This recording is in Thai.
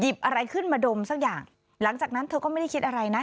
อะไรขึ้นมาดมสักอย่างหลังจากนั้นเธอก็ไม่ได้คิดอะไรนะ